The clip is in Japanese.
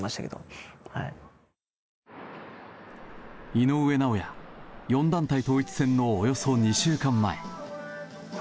井上尚弥４団体統一戦のおよそ２週間前。